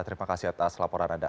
terima kasih atas laporan anda